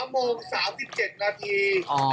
โมง๓๗นาที